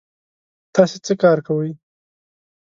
تاسې څه کار کوی؟